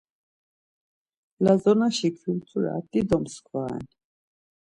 Lazonaşi Kultura dido mskva ren.